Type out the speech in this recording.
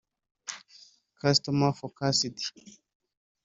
customer focused